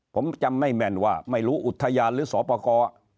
ผมจำไม่แม่นว่าไม่รู้อุทยานหรือสอปกร